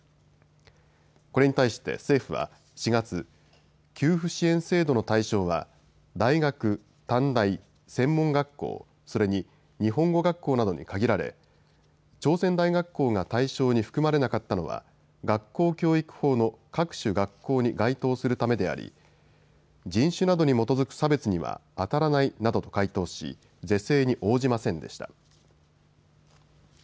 これに対して政府は４月、給付支援制度の対象は大学、短大、専門学校、それに日本語学校などに限られ朝鮮大学校が対象に含まれなかったのは学校教育法の各種学校に該当するためであり人種などに基づく差別にはあたらないなどと回答し是正に応じませんでした。